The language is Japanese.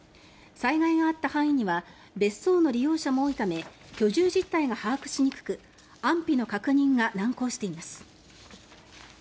災害があった範囲には別荘の利用者も多いため居住実態が把握しにくく安否の確認が難航しています。